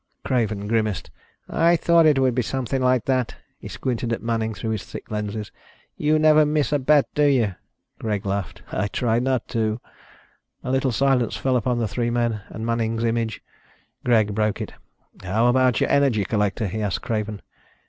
Craven grimaced. "I thought it would be something like that." He squinted at Manning through the thick lenses. "You never miss a bet, do you?" Greg laughed. "I try not to." A little silence fell upon the three men and Manning's image. Greg broke it. "How about your energy collector?" he asked Craven.